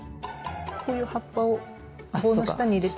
こういう葉っぱを棒の下に入れておくと。